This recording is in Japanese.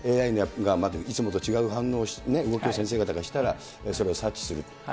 ＡＩが、いつもと違う反応、動きを先生方がしたらそれを察知する。